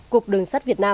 cục đường sắt việt nam